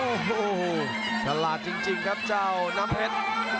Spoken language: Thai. โอ้โหฉลาดจริงครับเจ้าน้ำเพชร